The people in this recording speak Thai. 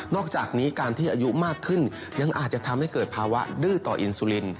อกจากนี้การที่อายุมากขึ้นยังอาจจะทำให้เกิดภาวะดื้อต่ออินซูลิน